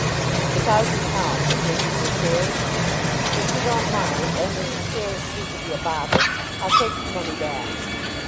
"The thousand pounds I gave you for shares. If you don't mind, and as the shares seem to be a bother, I'll take the money back."